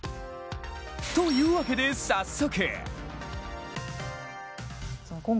というわけで、早速！